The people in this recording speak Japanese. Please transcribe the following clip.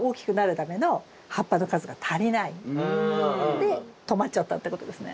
で止まっちゃったってことですね。